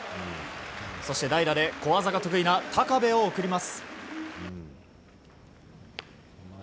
そして代打で、小技が得意な高部を送ります。